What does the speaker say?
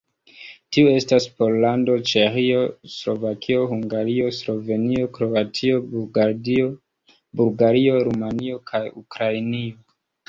Tiuj estas Pollando, Ĉeĥio, Slovakio, Hungario, Slovenio, Kroatio, Bulgario, Rumanio kaj Ukrainio.